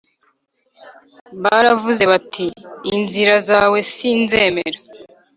baravuze bati inzira zawe si nzemera